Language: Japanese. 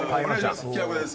平子です。